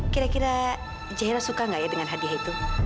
kira kira jahira suka nggak ya dengan hadiah itu